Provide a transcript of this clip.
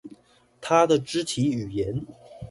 他的肢體語言